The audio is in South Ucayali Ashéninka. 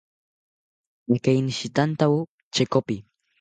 Akeinishitantawo chekopi